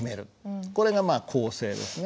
これがまあ構成ですね。